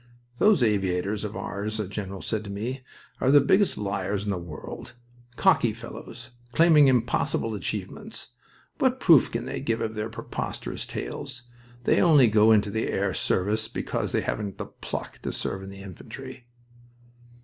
"Those aviators of ours," a general said to me, "are the biggest liars in the world. Cocky fellows claiming impossible achievements. What proof can they give of their preposterous tales? They only go into the air service because they haven't the pluck to serve in the infantry."